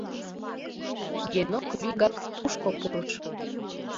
Генок вигак тушко пурыш.